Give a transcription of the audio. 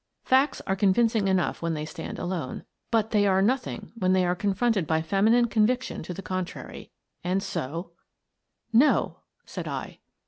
Facts are convincing enough when they stand alone, but they are nothing when they are confronted by feminine conviction to the contrary. And so: " No," said I.